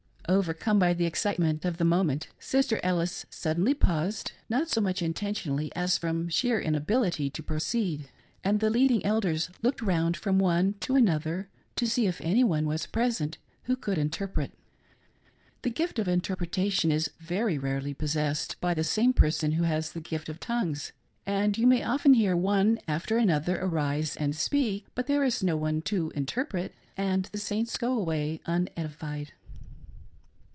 Overcome by the excitement of the moment, Sister Ellis suddenly paused, not so much intentionally as from sheer inability to proceed ; and the leading elders looked round from one to another to see if any one was present who could interpret. The gift of interpretation is very rarely possessed by the same person who has the gift of tongues, and you may vften hear one after another arise and " speak," but there is no one to "interpret," and the Saints go away unedified.